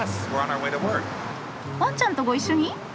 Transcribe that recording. ワンちゃんとご一緒に！？